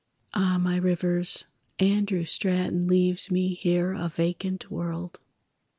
Ah, my rivers, Andrew Straton Leaves me here a vacant world!